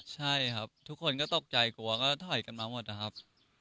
ใช่ครับทุกคนก็ตกใจกลัวก็ถอยกันมาหมดนะครับ